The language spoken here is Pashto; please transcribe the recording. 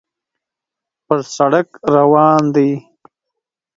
پر سړک روان دی.